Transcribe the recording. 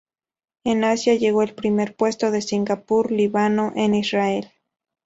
En Asia llegó al primer puesto de Singapur, Líbano e Israel.